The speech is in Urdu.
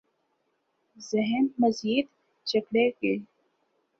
ذہن مزید جکڑے گئے۔